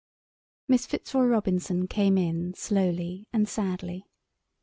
Miss Fitzroy Robinson came in slowly and sadly.